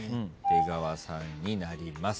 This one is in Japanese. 出川さんになります。